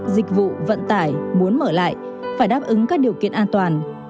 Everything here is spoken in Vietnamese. dịch vụ vận tải muốn mở lại phải đáp ứng các điều kiện an toàn